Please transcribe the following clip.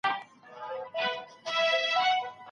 هغه خپله دنده او ولور نه اداء کوي.